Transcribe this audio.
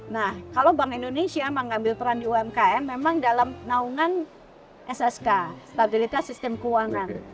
nah kalau bank indonesia mengambil peran di umkm memang dalam naungan ssk stabilitas sistem keuangan